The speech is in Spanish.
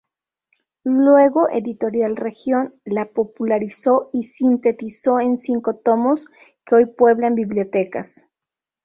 Luego Editorial Región la popularizó y sintetizó en cinco tomos que hoy pueblan bibliotecas.